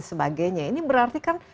sebagainya ini berarti kan